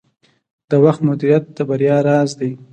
د وخت مدیریت د بریا راز دی.